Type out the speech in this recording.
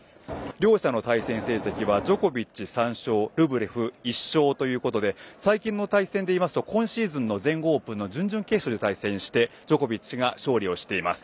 両者の対戦成績はジョコビッチ、３勝ルブレフ、１勝ということで最近の対戦でいいますと今シーズンの全豪オープンの準々決勝で対戦をしてジョコビッチが勝利しています。